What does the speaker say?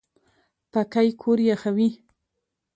پکۍ کور یخوي